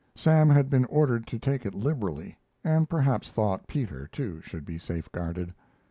Sam had been ordered to take it liberally, and perhaps thought Peter too should be safeguarded.